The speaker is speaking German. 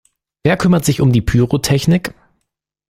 Wer kümmert sich um die Pyrotechnik?